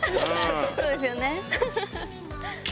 そうですよね。